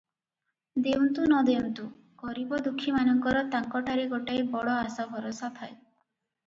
ଦେଉନ୍ତୁ ନ ଦେଉନ୍ତୁ, ଗରିବ ଦୁଃଖୀମାନଙ୍କର ତାଙ୍କଠାରେ ଗୋଟାଏ ବଡ଼ ଆଶା ଭରସା ଥାଏ ।